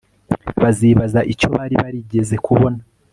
Bazibaza icyo bari barigeze kubona